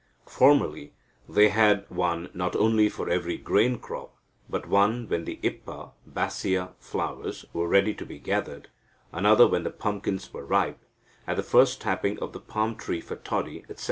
Formerly they had one not only for every grain crop, but one when the ippa (Bassia) flowers were ready to be gathered, another when the pumpkins were ripe, at the first tapping of the palm tree for toddy, etc.